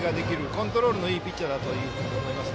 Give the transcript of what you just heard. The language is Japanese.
コントロールのいいピッチャーだと思います。